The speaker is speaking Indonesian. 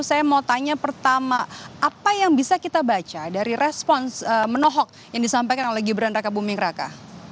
saya mau tanya pertama apa yang bisa kita baca dari respons menohok yang disampaikan oleh gibran raka buming raka